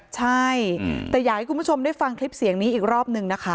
ใช่แต่อยากให้คุณผู้ชมได้ฟังคลิปเสียงนี้อีกรอบนึงนะคะ